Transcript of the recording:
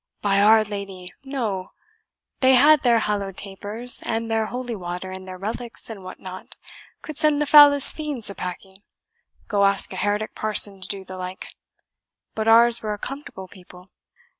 By Our Lady, no! they had their hallowed tapers; and their holy water, and their relics, and what not, could send the foulest fiends a packing. Go ask a heretic parson to do the like. But ours were a comfortable people."